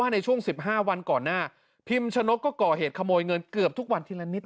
ในช่วง๑๕วันก่อนหน้าพิมชนกก็ก่อเหตุขโมยเงินเกือบทุกวันทีละนิด